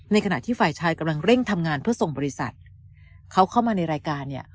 ขณะที่ฝ่ายชายกำลังเร่งทำงานเพื่อส่งบริษัทเขาเข้ามาในรายการเนี่ย